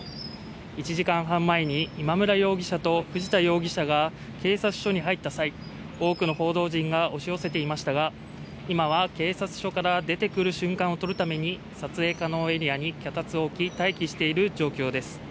１時間半前に今村容疑者と藤田容疑者が警察署に入った際、多くの報道陣が押し寄せていましたが、今は警察署から出てくる瞬間を撮るために撮影可能エリアに脚立を置き待機している状況です。